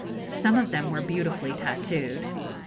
Some of them were beautifully tattooed.